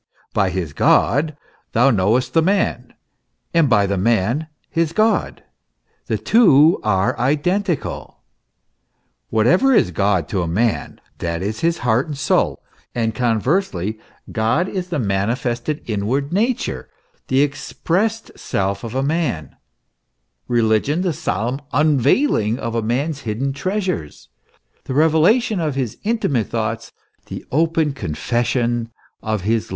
By his God thou knowest the man, and by the man his God; the two are identical. Whatever is God to a man, that is his heart and soul; and conversely, God is the manifested inwa/d nature, the expressed self of a man, religion the solemn un veiling of a man's hidden treasures, the revelation of his inti mate thoughts, the open confession of his love secrets.